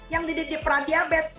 yang jadi pra diabet